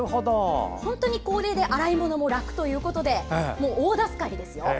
本当に洗い物も楽ということで大助かりですよ。